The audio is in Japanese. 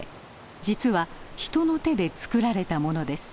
実は人の手でつくられたものです。